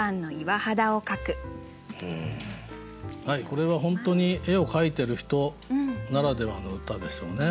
これは本当に絵を描いてる人ならではの歌ですよね。